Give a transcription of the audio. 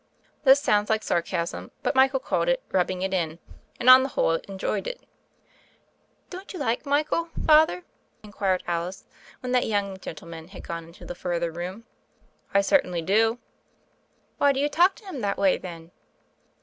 This sounds like sarcasm : but Michael called it "rubbing it in," and, on the whole, enjoyed it. "Don't you like Michael, Father?" inquired Alice when that young gentleman had gone into the further room. "I certainly do." "Why do you talk to him that way, then?